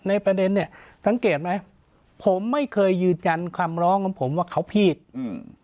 ประเด็นเนี้ยสังเกตไหมผมไม่เคยยืนยันคำร้องของผมว่าเขาผิดอืม